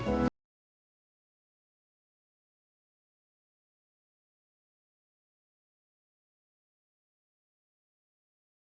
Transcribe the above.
kasih ciri kata sayang